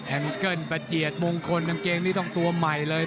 เกิ้ลประเจียดมงคลกางเกงนี้ต้องตัวใหม่เลย